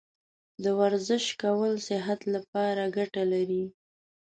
د ورزش کول صحت لپاره ګټه لري.